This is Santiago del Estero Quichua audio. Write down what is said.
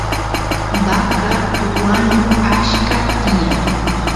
vaca wanu achka tiyan